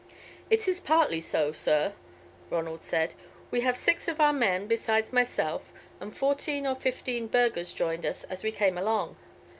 "It is partly so, sir," Ronald said. "We have six of our men besides myself, and fourteen or fifteen burghers joined us as we came along.